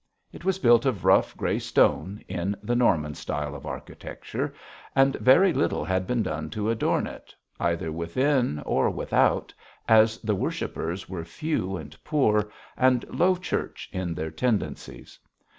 It was built of rough, grey stone, in the Norman style of architecture, and very little had been done to adorn it either within or without, as the worshippers were few and poor, and Low Church in their tendencies.